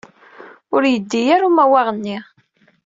Ur yeddi ara umawaɣ-nni.